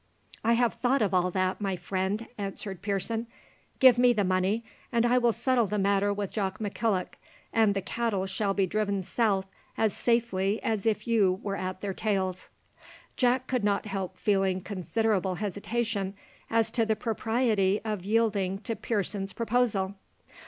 "I have thought of all that, my friend," answered Pearson. "Give me the money, and I will settle the matter with Jock McKillock, and the cattle shall be driven south as safely as if you were at their tails." Jack could not help feeling considerable hesitation as to the propriety of yielding to Pearson's proposal.